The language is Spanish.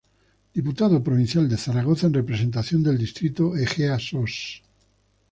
Diputado Provincial de Zaragoza en representación del distrito Ejea-Sos.